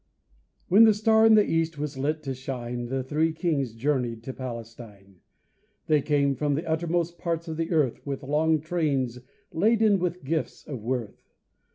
WHEN the star in the East was lit to shine The three kings journeyed to Palestine; They came from the uttermost parts of earth With long trains laden with gifts of worth.